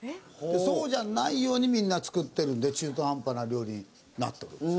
そうじゃないようにみんな作ってるんで中途半端な料理になってるんです。